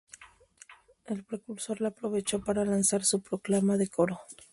El Precursor la aprovechó para lanzar su proclama de Coro.